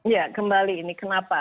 ya kembali ini kenapa